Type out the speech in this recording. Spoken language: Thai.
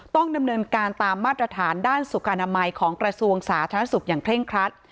ต้องดำเนินการตามมาตรฐานด้านสุขอนามัยของกระทรวงสาธารณสุขอย่างเคร่งครัด